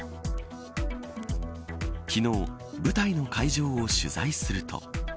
昨日、舞台の会場を取材すると。